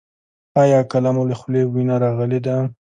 ایا کله مو له خولې وینه راغلې ده؟